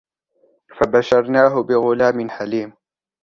فبشرناه بغلام حليم